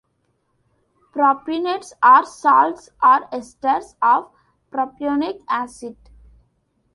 Propionates are salts or esters of propionic acid.